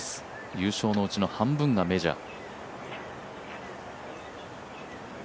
優勝のうちの半分がメジャー。